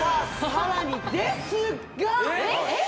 さらにですがえっ？